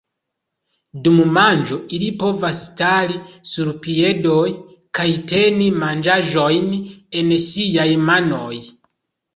Dum manĝo ili povas stari sur piedoj kaj teni manĝaĵojn en siaj manoj.